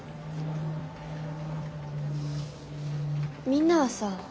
みんなはさ